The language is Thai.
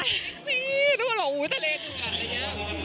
เซ็กซี่ทุกคนหลอกอุ๊ยทะเลอยู่กัน